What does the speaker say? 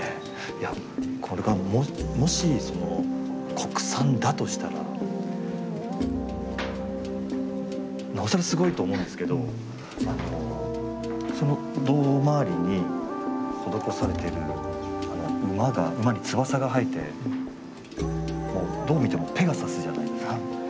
いやこれがもしその国産だとしたらなおさらすごいと思うんですけどその胴回りに施されている馬が馬に翼が生えてもうどう見てもペガサスじゃないですか。